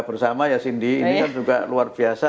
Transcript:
bersama ya cindy ini kan juga luar biasa